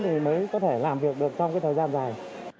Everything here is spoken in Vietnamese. thì mới có thể làm việc được trong cái thời gian dài